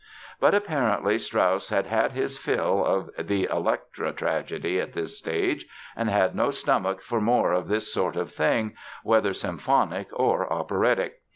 But apparently Strauss had had his fill of the Elektra tragedy at this stage and had no stomach for more of this sort of thing, whether symphonic or operatic.